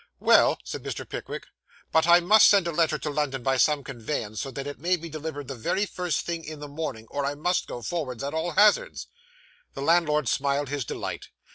'Well,' said Mr. Pickwick; 'but I must send a letter to London by some conveyance, so that it may be delivered the very first thing in the morning, or I must go forwards at all hazards.' The landlord smiled his delight.